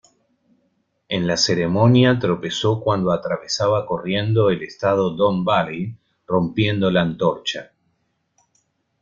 En la ceremonia tropezó cuando atravesaba corriendo el Estado Don Valley, rompiendo la antorcha.